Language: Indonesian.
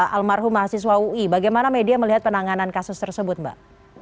almarhum mahasiswa ui bagaimana media melihat penanganan kasus tersebut mbak